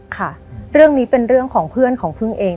ค่ะเรื่องนี้เป็นเรื่องของเพื่อนของพึ่งเอง